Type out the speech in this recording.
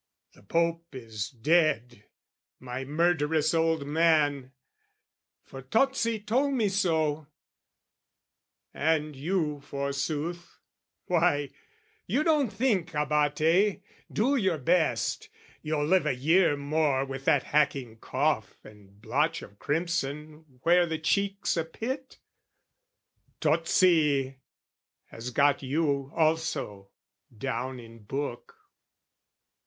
The Pope is dead, my murderous old man, For Tozzi told me so: and you, forsooth Why, you don't think, Abate, do your best, You'll live a year more with that hacking cough And blotch of crimson where the cheek's a pit? Tozzi has got you also down in book.